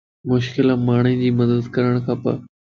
مشڪل ام ماڻھي جي مدد ڪرڻ کپا